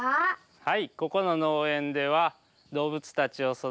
はい。